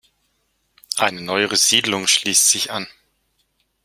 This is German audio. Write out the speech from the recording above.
Eine neuere Siedlung schließt sich an.